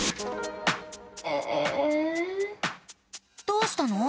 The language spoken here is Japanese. どうしたの？